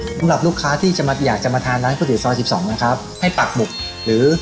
สำหรับลูกค้าที่จะมาอยากจะมาทานร้านก๋วซอยสิบสองนะครับให้ปากหมึกหรือ